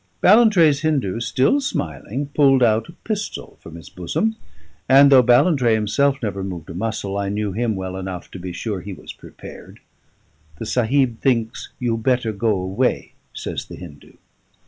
Ballantrae's Hindu, still smiling, pulled out a pistol from his bosom, and though Ballantrae himself never moved a muscle I knew him well enough to be sure he was prepared. "The Sahib thinks you better go away," says the Hindu.